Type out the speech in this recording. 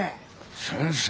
先生。